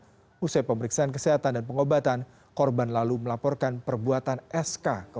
setelah perawatan usai pemeriksaan kesehatan dan pengobatan korban lalu melaporkan perbuatan sk